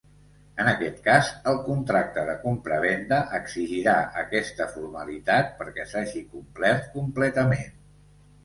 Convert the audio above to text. En aquest cas el contracte de compravenda exigirà aquesta formalitat perquè s'hagi complert completament.